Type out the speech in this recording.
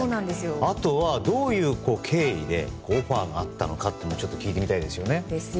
あとは、どういう経緯でオファーがあったのかも聞いてみたいですよね。